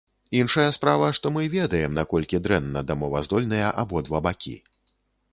Іншая справа, што мы ведаем, наколькі дрэнна дамоваздольныя абодва бакі.